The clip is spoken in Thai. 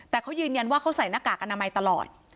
แต่เขายืนยันว่าเขาใส่หน้ากากอนามัยตลอด